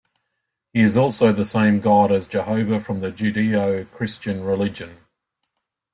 He is also the same God as Jehovah from the Judeo-Christian religion.